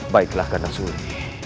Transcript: baiklah kak nasuri